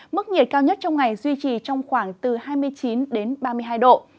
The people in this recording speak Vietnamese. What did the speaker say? mức nhiệt cao nhất trong ngày duy trì trong khoảng từ hai mươi chín đến ba mươi hai độ